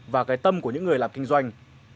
và cái tâm của những người làm kinh doanh